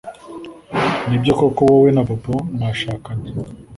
Nibyo koko wowe na Bobo mwashakanye